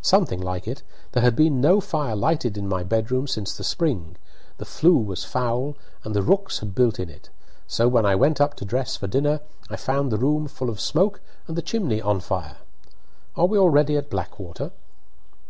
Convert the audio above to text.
"Something like it. There had been no fire lighted in my bedroom since the spring, the flue was foul, and the rooks had built in it; so when I went up to dress for dinner I found the room full of smoke and the chimney on fire. Are we already at Blackwater?"